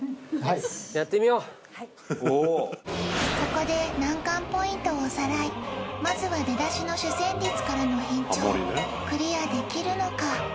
ここで難関ポイントをおさらいまずは出だしの主旋律からの変調クリアできるのか？